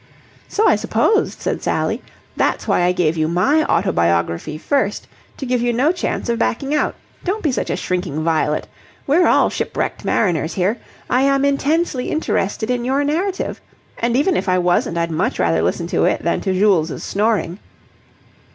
"So I supposed," said Sally. "That's why I gave you my autobiography first, to give you no chance of backing out. Don't be such a shrinking violet. We're all shipwrecked mariners here. I am intensely interested in your narrative. And, even if I wasn't, I'd much rather listen to it than to Jules' snoring."